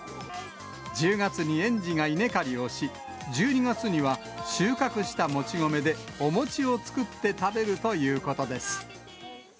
１０月に園児が稲刈りをし、１２月には収穫したもち米で、お餅を作って食べるということです。